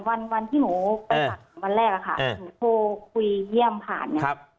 วันวันที่หนูเออวันแรกค่ะเออพูดคุยเยี่ยมผ่านเนี่ยครับ